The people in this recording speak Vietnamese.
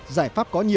giải pháp có nhiều